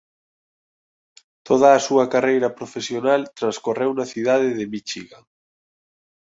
Toda a súa carreira profesional transcorreu na cidade de Michigan.